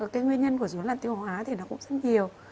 cái nguyên nhân của dối loạn tiêu hóa thì nó cũng rất nhiều